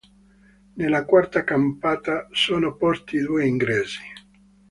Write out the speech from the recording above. Nella quarta campata sono posti due ingressi.